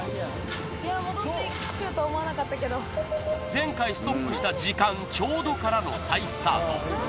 前回ストップした時間ちょうどからの再スタート